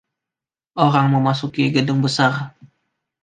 Orang memasuki gedung besar.